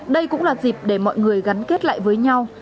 đây cũng là dịp để mọi người gắn kết lại với nhau